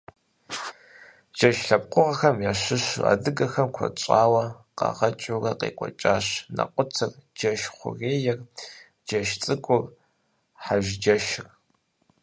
Джэш лъэпкъыгъуэхэм ящыщу адыгэхэм куэд щӀауэ къагъэкӀыурэ къекӀуэкӀащ нэкъутыр, джэшхъурейр, джэшцӀыкӀур, хьэжджэшыр.